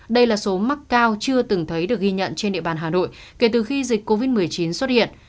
đây là số mắc cao chưa từng thấy được ghi nhận trên địa bàn hà nội kể từ khi dịch covid một mươi chín xuất hiện